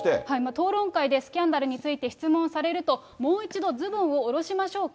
討論会でスキャンダルについて質問されると、もう一度ズボンを下ろしましょうか？